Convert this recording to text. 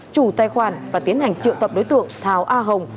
chủ tài khoản và tiến hành triệu tập đối tượng tháo a hồng